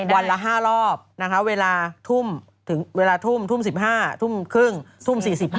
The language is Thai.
วันละ๕รอบนะคะเวลาทุ่ม๑๕ทุ่มครึ่งทุ่ม๔๕